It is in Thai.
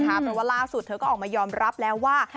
เพราะว่าล่าสุดเธอก็ออกมายอมรับแล้วว่า